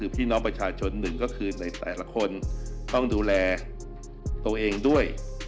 พี่น้องประชาชนหนึ่งก็คือในแต่ละคนต้องดูแลตัวเองด้วย